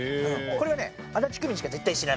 これはね足立区民しか絶対知らない。